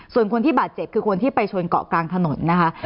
ส่วนคนที่บาดเจ็บคือคนที่ไปชนเกาะกลางถนนนะคะ